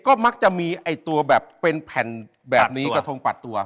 ก็มักจะมีไอ้ตัวแบบเป็นแผ่นแบบนี้กระทงปัดตัว